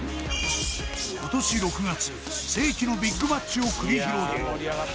今年６月世紀のビッグマッチを繰り広げ